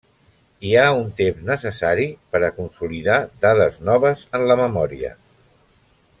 Hi ha un temps necessari per a consolidar dades noves en la memòria.